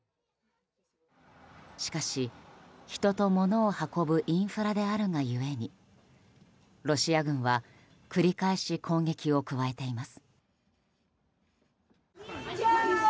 しかし、人と物を運ぶインフラであるが故にロシア軍は繰り返し攻撃を加えています。